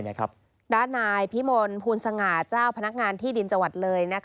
ด้านนายพิมลภูลสง่าเจ้าพนักงานที่ดินจังหวัดเลย